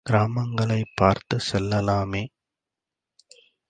கிராமங்களைப் பார்த்துச் செல்லலாமே?